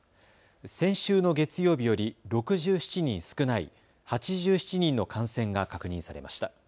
先週の月曜日より６７人少ない８７人の感染が確認されました。